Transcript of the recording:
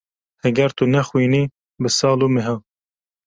Heger tu nexwînî bi sal û meha.